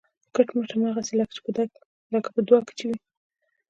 کټ مټ هماغسې لکه په دعا کې چې وي